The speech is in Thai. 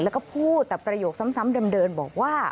แล้วก็พูดแต่ประโยคซ้ำเดิมบอกว่า